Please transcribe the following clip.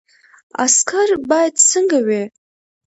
عسکر باید څنګه وي؟